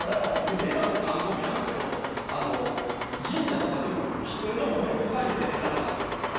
ネタも完コピなんすけど神社とかでよく見るキツネのお面２人で出てきたらしいんですよ。